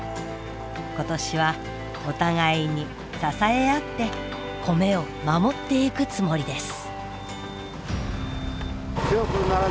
今年はお互いに支え合って米を守ってゆくつもりです。